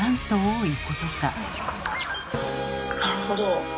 なるほど。